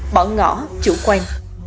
bọn ngõ chịu quen